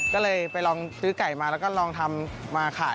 ก็เลยไปลองซื้อไก่มาแล้วก็ลองทำมาขาย